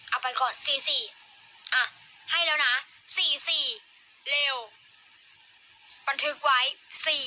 เอาไปก่อนสี่สี่อ่ะให้แล้วนะสี่สี่เร็วบันทึกไว้สี่สี่